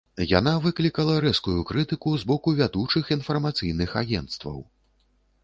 Яна выклікала рэзкую крытыку з боку вядучых інфармацыйных агенцтваў.